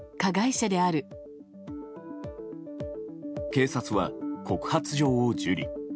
警察は告発状を受理。